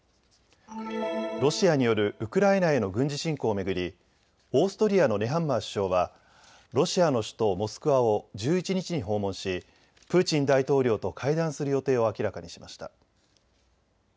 ロシアによるウクライナへの軍事侵攻を巡り、オーストリアのネハンマー首相はロシアの首都モスクワを１１日に訪問しプーチン大統領と会談する予定を明らかにしました。